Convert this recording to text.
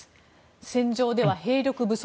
戦場では兵力不足。